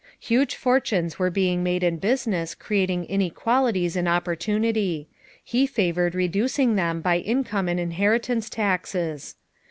Huge fortunes were being made in business creating inequalities in opportunity; he favored reducing them by income and inheritance taxes.